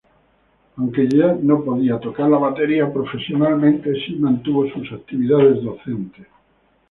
Aunque ya no podía tocar la batería profesionalmente, sí mantuvo sus actividades docentes.